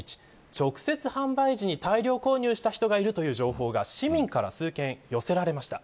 直接、販売時に大量購入した人がいるという情報が市民から数件、寄せられました。